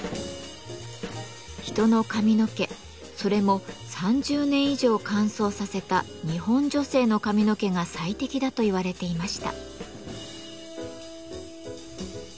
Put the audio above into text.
人の髪の毛それも３０年以上乾燥させた日本女性の髪の毛が最適だと言われていました。